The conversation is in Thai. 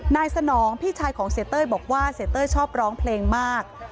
นายสนองพี่ชายของเศรษฐ์เตยบอกว่าเศรษฐ์เตยชอบร้องเพลงมาก